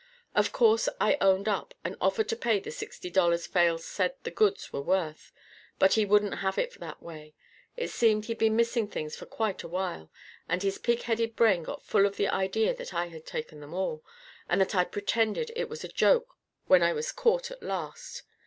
"Of course I owned up, and offered to pay the sixty dollars Fales said the goods were worth. But he wouldn't have it that way. It seemed he'd been missing things for quite a while. And his pig headed brain got full of the idea I had taken them all, and that I'd pretended it was a joke when I was caught at last.